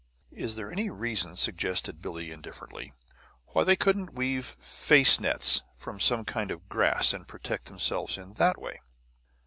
"Is there any reason," suggested Billie, indifferently, "why they couldn't weave face nets from some kind of grass, and protect themselves in that way?"